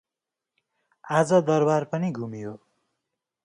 आज दरबार पनि घुमियो।